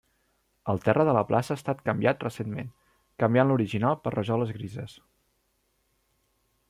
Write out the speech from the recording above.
El terra de la plaça ha estat canviat recentment, canviant l'original per rajoles grises.